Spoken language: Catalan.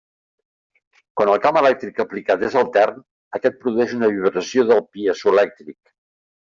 Quan el camp elèctric aplicat és altern, aquest produeix una vibració del piezoelèctric.